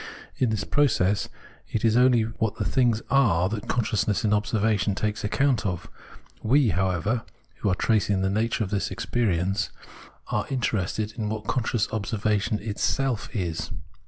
In this process, it is only what the things are that consciousness in observation takes account of ; we, however, [who are tracing the nature of this experi ence] are interested in what conscious observation itself is.